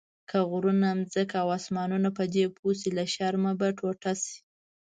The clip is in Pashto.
که غرونه، ځمکه او اسمانونه پدې پوه شي له شرمه به ټوټه شي.